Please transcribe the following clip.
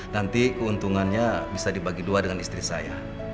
nanti keuntungannya bisa dibagi dua dengan istri saya